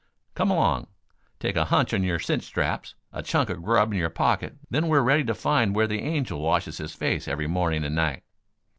"Come along; take a hunch on your cinch straps, a chunk of grub in your pocket; then we're ready to find where the Angel washes his face every morning and night."